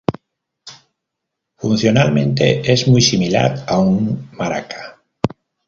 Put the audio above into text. Funcionalmente es muy similar a un maraca.